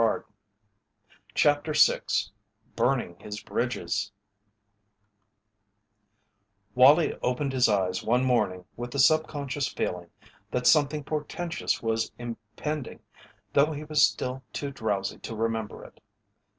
_ CHAPTER VI "BURNING HIS BRIDGES" Wallie opened his eyes one morning with the subconscious feeling that something portentous was impending though he was still too drowsy to remember it.